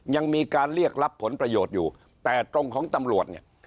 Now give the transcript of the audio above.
ยังมีการเรียกรับผลประโยชน์อยู่แต่ตรงของตำรวจเนี่ย